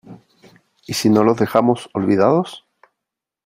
¿ Y si nos los dejamos olvidados ?